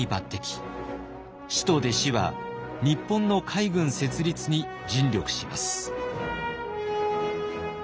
師と弟子は日本の海軍設立に尽力します。